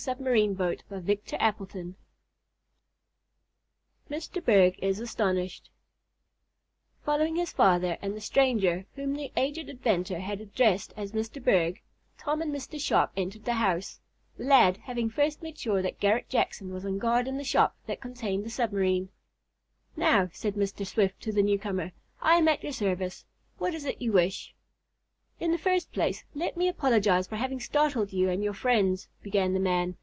I'm going to keep my eyes open." Chapter Three Mr. Berg is Astonished Following his father and the stranger whom the aged inventor had addressed as Mr. Berg, Tom and Mr. Sharp entered the house, the lad having first made sure that Garret Jackson was on guard in the shop that contained the submarine. "Now," said Mr. Swift to the newcomer, "I am at your service. What is it you wish?" "In the first place, let me apologize for having startled you and your friends," began the man.